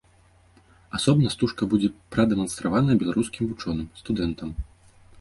Асобна стужка будзе прадэманстраваная беларускім вучоным, студэнтам.